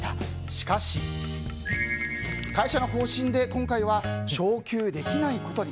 しかし、会社の方針で今回は昇給できないことに。